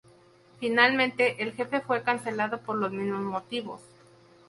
Finalmente, "El jefe" fue cancelado por los mismos motivos.